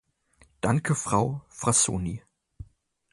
Danke, Frau Frassoni.